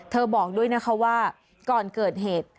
บอกด้วยนะคะว่าก่อนเกิดเหตุ